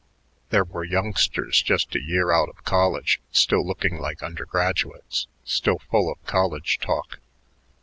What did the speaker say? There were youngsters just a year out of college, still looking like undergraduates, still full of college talk.